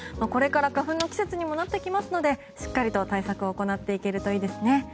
これから花粉の季節にもなってきますのでしっかりと対策を行っていけるといいですね。